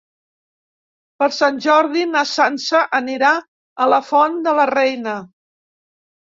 Per Sant Jordi na Sança anirà a la Font de la Reina.